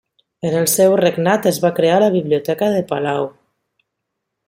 En el seu regnat es va crear la biblioteca de palau.